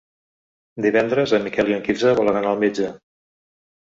Divendres en Miquel i en Quirze volen anar al metge.